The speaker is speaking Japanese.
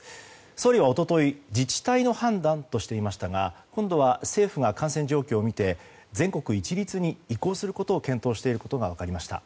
総理は一昨日自治体の判断としていましたが今度は政府が感染状況を見て全国一律に移行することを検討していることが分かりました。